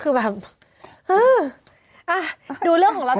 เหมือนกัน